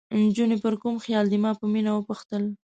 نجونې پر کوم خیال دي؟ ما په مینه وپوښتل.